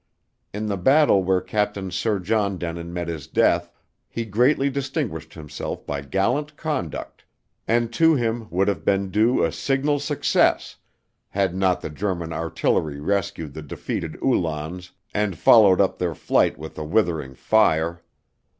In the battle where Captain Sir John Denin met his death, he greatly distinguished himself by gallant conduct, and to him would have been due a signal success had not the German artillery rescued the defeated Uhlans and followed up their flight with a withering fire.